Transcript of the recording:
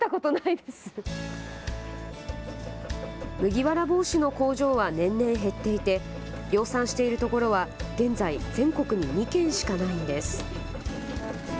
麦わら帽子の工場は年々減っていて量産しているところは現在、全国に２軒しかないんです。